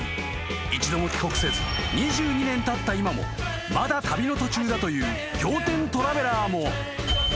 ［一度も帰国せず２２年たった今もまだ旅の途中だという仰天トラベラーも］